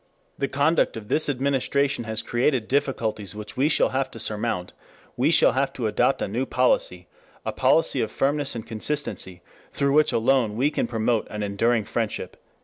The conduct of this administration has created difficulties which we shall have to surmount.... We shall have to adopt a new policy, a policy of firmness and consistency through which alone we can promote an enduring _friendship.